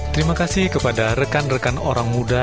terima kasih kepada rekan rekan orang muda